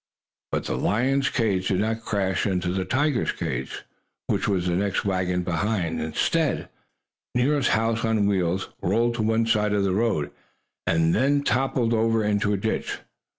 But the lion's cage did not crash into the tiger's cage, which was the next wagon behind. Instead, Nero's house on wheels rolled to one side of the road and toppled over into a ditch.